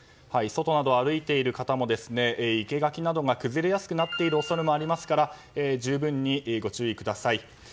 外などを歩いている方も生け垣などが崩れやすくなっている恐れもありますから十分にご注意ください。